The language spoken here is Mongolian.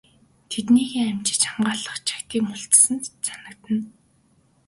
Хэдийнээ амжиж хамгаалах чагтыг нь мулталчихсан харагдана.